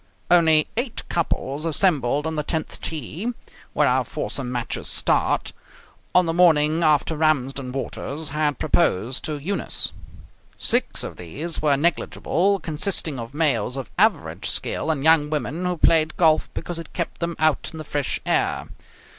Only eight couples assembled on the tenth tee (where our foursomes matches start) on the morning after Ramsden Waters had proposed to Eunice. Six of these were negligible, consisting of males of average skill and young women who played golf because it kept them out in the fresh air.